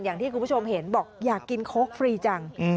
อย่างที่คุณผู้ชมเห็นบอกอยากกินโค้กฟรีจัง